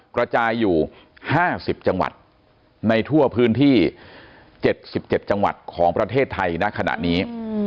กระจายอยู่๕๐จังหวัดในทั่วพื้นที่๗๗จังหวัดของประเทศไทยณขณะนี้